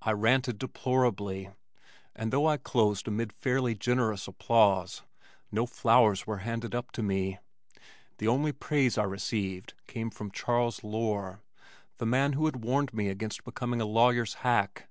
I ranted deplorably, and though I closed amid fairly generous applause, no flowers were handed up to me. The only praise I received came from Charles Lohr, the man who had warned me against becoming a lawyer's hack.